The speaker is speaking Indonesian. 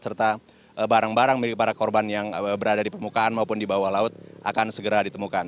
serta barang barang milik para korban yang berada di permukaan maupun di bawah laut akan segera ditemukan